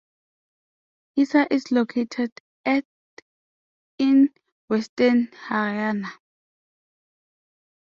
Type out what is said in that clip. Hisar is located at in western Haryana.